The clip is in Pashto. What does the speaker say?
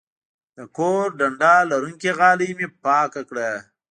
د کور ډنډه لرونکې غالۍ مې پاکه کړه.